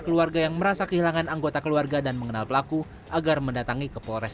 keluarga yang merasa kehilangan anggota keluarga dan mengenal pelaku agar mendatangi ke polres